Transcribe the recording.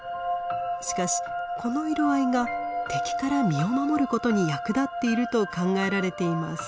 しかしこの色合いが敵から身を守ることに役立っていると考えられています。